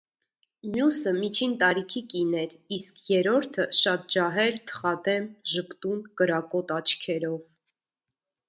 Մյուսը միջին տարիքի կին էր, իսկ երրորդը՝ շատ ջահել, թխադեմ, ժպտուն, կրակոտ աչքերով: